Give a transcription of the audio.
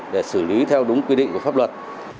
để xử lý theo đúng quy định của pháp luật